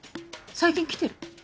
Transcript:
最近来てる？